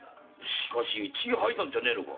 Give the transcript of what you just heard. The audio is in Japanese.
しかし血を吐いたんじゃねえか？